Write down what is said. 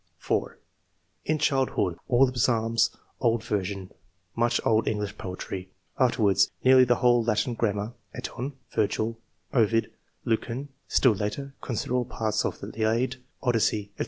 4. " In childhood, all the Psalms, old ver sion ; much old English poetry ; afterwards, nearly the whole Latin grammar (Eton), Virgil, Ovid, Lucan; still later, considerable parts of the Iliad, Odyssey, &c.